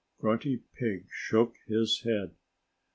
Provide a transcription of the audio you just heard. Grunty Pig shook his head.